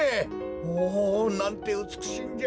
おおなんてうつくしいんじゃ。